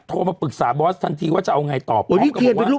มาปรึกษาบอสทันทีว่าจะเอาไงต่อพร้อมกับบอกว่า